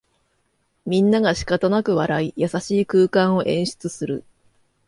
みんながしかたなく笑い、優しい空間を演出する